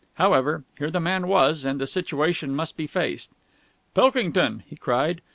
However, here the man was, and the situation must be faced. "Pilkington!" he cried.